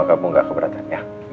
kamu dan mama kamu gak keberatan ya